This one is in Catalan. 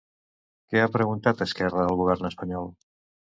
Què ha preguntat Esquerra al govern espanyol?